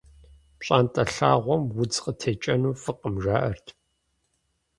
ПщӀантӀэ лъагъуэм удз къытекӀэну фӀыкъым, жаӀэрт.